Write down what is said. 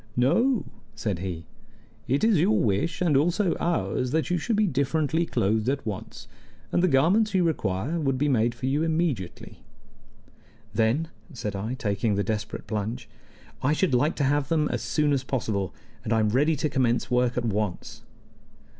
"No," said he. "It is your wish, and also ours, that you should be differently clothed at once, and the garments you require would be made for you immediately." "Then," said I, taking the desperate plunge, "I should like to have them as soon as possible, and I am ready to commence work at once."